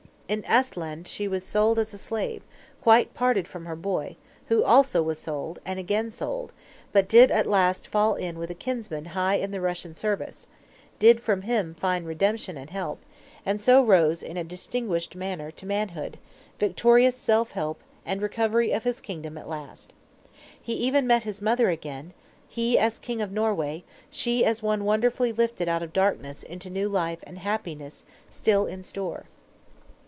In Esthland she was sold as a slave, quite parted from her boy, who also was sold, and again sold; but did at last fall in with a kinsman high in the Russian service; did from him find redemption and help, and so rose, in a distinguished manner, to manhood, victorious self help, and recovery of his kingdom at last. He even met his mother again, he as king of Norway, she as one wonderfully lifted out of darkness into new life and happiness still in store.